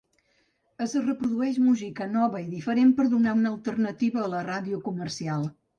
Es reprodueix música nova i diferent per a donar una alternativa a la ràdio comercial.